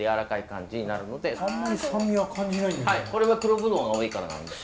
これは黒ブドウが多いからなんです。